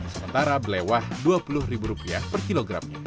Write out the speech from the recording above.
sementara belewah dua puluh ribu rupiah per kilogram